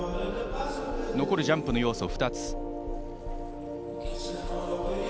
残るジャンプの要素は２つ。